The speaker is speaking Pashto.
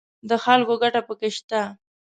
د خلکو ګټه پکې شته